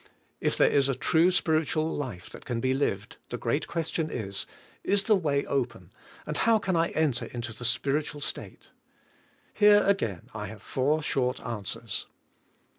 If there is a true spiritual life that can be lived, the great question is: Is the way open, and how can I en ter into the spiritual state? Here, again, I have four short answers.